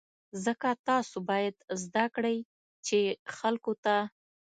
ځکه تاسو باید زده کړئ چې خلکو ته.